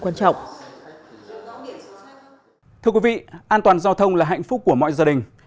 thưa quý vị an toàn giao thông là hạnh phúc của mọi gia đình